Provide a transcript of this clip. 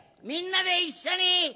みんなでいっしょに。